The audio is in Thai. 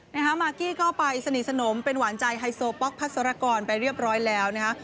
นะฮะมากกี้ก็ไปสนิทสนมเป็นหวานใจไฮโซป๊อกพัสรกรไปเรียบร้อยแล้วนะคะ